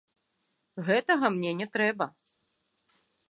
Гэтага мне не трэба.